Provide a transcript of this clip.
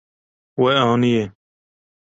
We aniye.